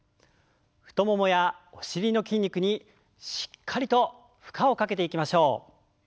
太ももやお尻の筋肉にしっかりと負荷をかけていきましょう。